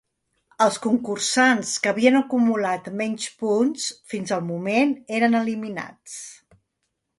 Els concursants que havien acumulat menys punts fins al moment eren eliminats.